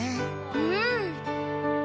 うん。